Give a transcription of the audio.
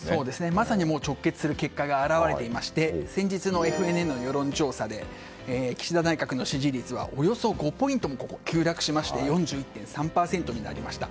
まさに直結する結果が表れていまして先日のＦＮＮの世論調査で岸田内閣の支持率はおよそ５ポイントも急落しまして４１．３％になりました。